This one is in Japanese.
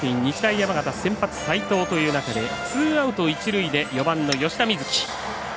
山形、先発、齋藤という中でツーアウト、一塁で４番の吉田瑞樹。